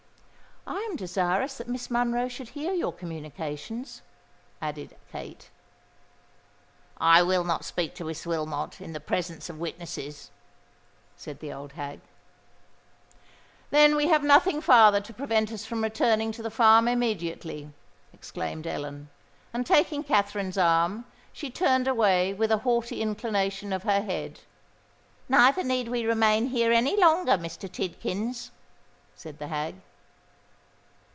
"I am desirous that Miss Monroe should hear your communications," added Kate. "I will not speak to Miss Wilmot in the presence of witnesses," said the old hag. "Then we have nothing farther to prevent us from returning to the farm immediately," exclaimed Ellen; and, taking Katherine's arm, she turned away with a haughty inclination of her head. "Neither need we remain here any longer, Mr. Tidkins," said the hag.